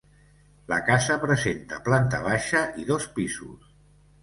La casa presenta planta baixa i dos pisos.